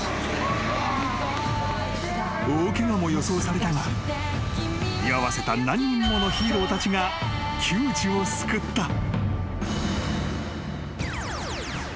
［大ケガも予想されたが居合わせた何人ものヒーローたちが窮地を救った］